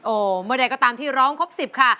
โอ้มาได้ก็ตามที่ร้องครบ๑๐ค่ะ